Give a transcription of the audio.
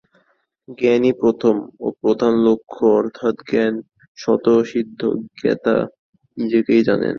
জ্ঞানই প্রথম ও প্রধান লক্ষ্য, অর্থাৎ জ্ঞান স্বতঃসিদ্ধ, জ্ঞাতা নিজেকেই জানেন।